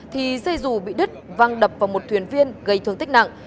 thì dây dù bị đứt văng đập vào một thuyền viên gây thương tích nặng